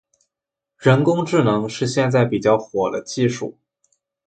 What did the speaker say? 人工智能是现在比较火的技术。